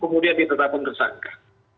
kemudian ditetapkan tersangka